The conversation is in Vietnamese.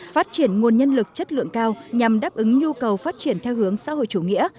phát triển nguồn nhân lực chất lượng cao nhằm đáp ứng nhu cầu phát triển theo hướng xã hội chủ nghĩa